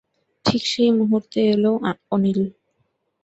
ঠিক সেই মুহূর্তে এল অনিল।